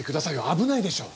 危ないでしょ！